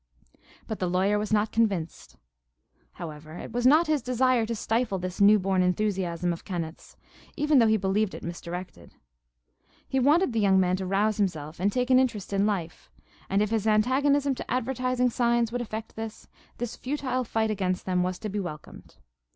But the lawyer was not convinced. However, it was not his desire to stifle this new born enthusiasm of Kenneth's, even though he believed it misdirected. He wanted the young man to rouse himself and take an interest in life, and if his antagonism to advertising signs would effect this, the futile fight against them was to be welcomed.